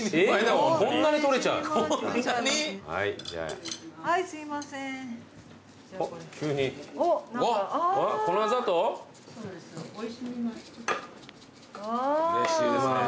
うれしいですね。